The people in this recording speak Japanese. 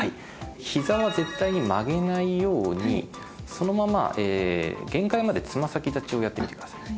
ひざは絶対に曲げないようにそのまま限界までつま先立ちをやってみてください